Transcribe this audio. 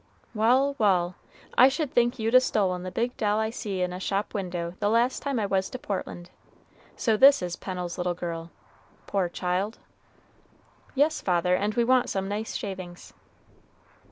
"Wal', wal', I should think you'd a stolen the big doll I see in a shop window the last time I was to Portland. So this is Pennel's little girl? poor child!" "Yes, father, and we want some nice shavings."